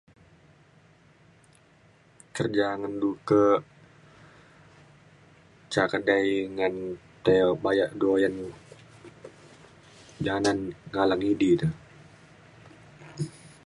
kerja ngan du ke ca kedai ngan tei baya du oyan janan ngalang ngidi de